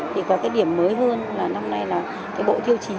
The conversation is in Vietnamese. thì có cái điểm mới hơn là năm nay là cái bộ tiêu chí